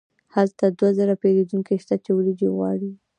هلته دوه زره پیرودونکي شته چې وریجې غواړي.